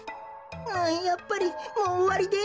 やっぱりもうおわりです。